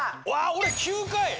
俺９回！